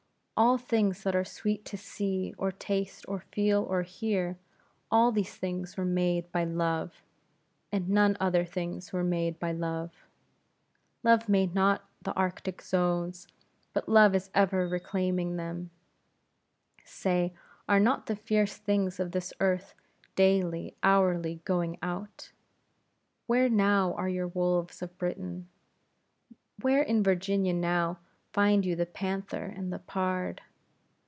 All things that are sweet to see, or taste, or feel, or hear, all these things were made by Love; and none other things were made by Love. Love made not the Arctic zones, but Love is ever reclaiming them. Say, are not the fierce things of this earth daily, hourly going out? Where now are your wolves of Britain? Where in Virginia now, find you the panther and the pard?